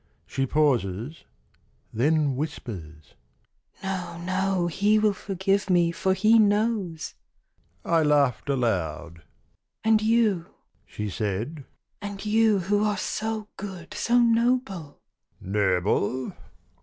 She pauses: then whispers: "No, no, He will forgive me, for He knows!" I laughed aloud: "And you," she said, "and you, Who are so good, so noble" ... "Noble?